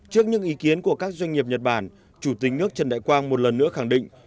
trước những ý kiến của các doanh nghiệp nhật bản chủ tịch nước trần đại quang một lần nữa khẳng định